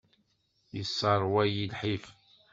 Yesseṛwa-iyi lḥif.